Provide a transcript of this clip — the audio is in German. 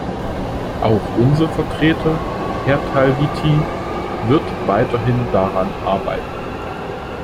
Auch unser Vertreter, Herr Talvitie, wird weiterhin daran arbeiten.